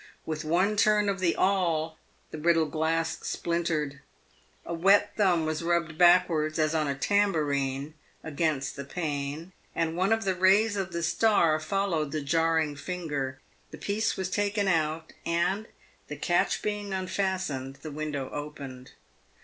With one turn of the awl the brittle glass splin tered. A wet thumb was rubbed backwards (as on a tambourine) against the pane, and one of the rays of the " star" followed the jarring finger. The piece was taken out, and, the catch being unfastened, the window opened.